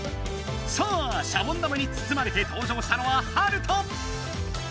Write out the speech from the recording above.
さあシャボン玉につつまれてとう場したのはハルト！